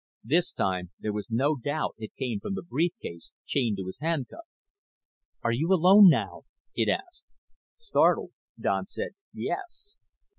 This time there was no doubt it came from the brief case chained to his handcuff. "Are you alone now?" it asked. Startled, Don said, "Yes."